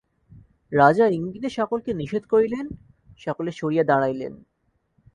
রাজা ইঙ্গিতে সকলকে নিষেধ করিলেন, সকলে সরিয়া দাঁড়াইলেন।